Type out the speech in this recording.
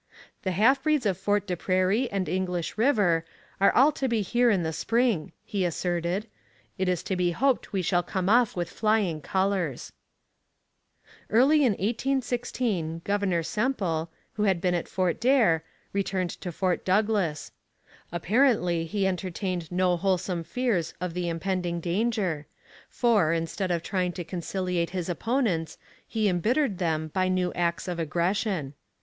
'The Half breeds of Fort des Prairies and English River are all to be here in the spring,' he asserted; 'it is to be hoped we shall come off with flying colours.' Early in 1816 Governor Semple, who had been at Fort Daer, returned to Fort Douglas. Apparently he entertained no wholesome fears of the impending danger, for, instead of trying to conciliate his opponents, he embittered them by new acts of aggression.